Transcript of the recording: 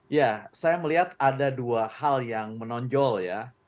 ya saya melihat ada dua hal yang menonjol ya